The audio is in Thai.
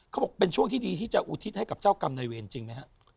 เขาบอกเป็นช่วงที่ดีที่จะอุทิศให้กับเจ้ากรรมในเวรจริงไหมฮะ